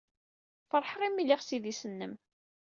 Feṛḥeɣ imi ay lliɣ s idis-nnem.